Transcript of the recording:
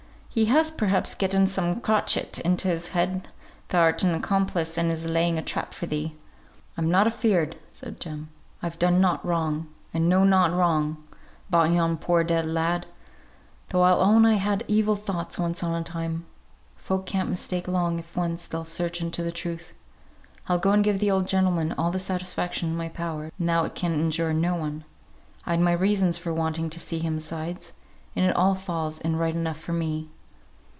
He has, perhaps, getten some crotchet into his head thou'rt an accomplice, and is laying a trap for thee." "I'm not afeared!" said Jem; "I've done nought wrong, and know nought wrong, about yon poor dead lad; though I'll own I had evil thoughts once on a time. Folk can't mistake long if once they'll search into the truth. I'll go and give the old gentleman all the satisfaction in my power, now it can injure no one. I'd my own reasons for wanting to see him besides, and it all falls in right enough for me."